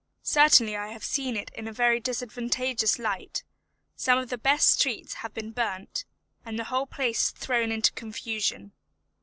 Certainly I have seen it in a very disadvantageous light, some of the best streets having been burnt, and the whole place thrown into confusion.